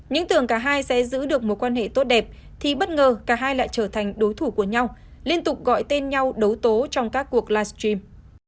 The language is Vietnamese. những tưởng cả hai sẽ giữ được mối quan hệ tốt đẹp thì bất ngờ cả hai lại trở thành đối thủ của nhau liên tục gọi tên nhau đấu tố trong các cuộc livestream